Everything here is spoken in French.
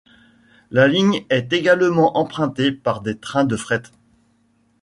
La ligne est également empruntée par des trains de fret.